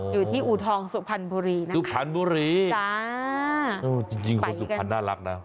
อยู่ที่อุทองสุพรรณพุรีนะคะอ๊ะจริงคนสุพรรณน่ารักนะ